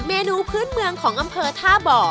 เมนูพื้นเมืองของอำเภอท่าบ่อ